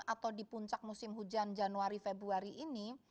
atau di puncak musim hujan januari februari ini